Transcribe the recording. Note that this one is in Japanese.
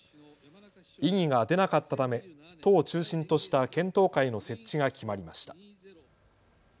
異議が出なかったため都を中心とした検討会の設置が決まりました。